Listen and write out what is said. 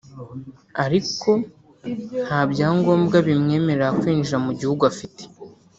ariko nta byangombwa bimwemera kwinjira mu gihugu afite